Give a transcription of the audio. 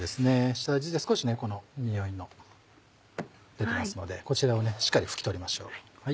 下味で少しねこのにおいも出てますのでこちらをしっかり拭き取りましょう。